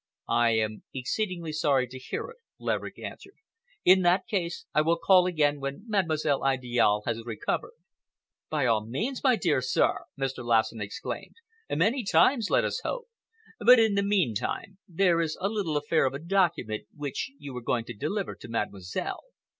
"I am exceedingly sorry to hear it," Laverick answered. "In that case, I will call again when Mademoiselle Idiale has recovered." "By all means, my dear sir!" Mr. Lassen exclaimed. "Many times, let us hope. But in the meantime, there is a little affair of a document which you were going to deliver to Mademoiselle.